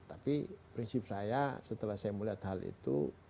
tapi prinsip saya setelah saya melihat hal itu